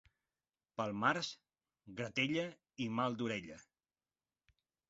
Pel març, gratella i mal d'orella.